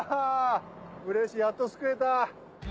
うれしいやっとすくえた。